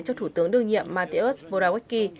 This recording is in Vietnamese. cho thủ tướng đương nhiệm mateusz morawiecki